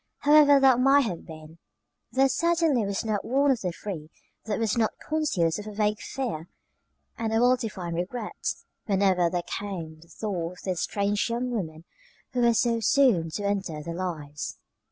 However that might have been, there certainly was not one of the three that was not conscious of a vague fear and a well defined regret, whenever there came the thought of this strange young woman who was so soon to enter their lives.